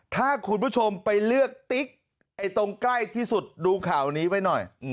ถ้าคุณผู้ชมไปเลือกติ๊กตรงใกล้ที่สุดดูข่าวนี้ไว้หน่อย